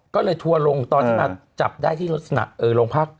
ก็เลยทัวร์ลงตอนที่มันจับได้ที่ลงพัก